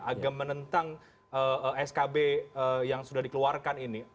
agak menentang skb yang sudah dikeluarkan ini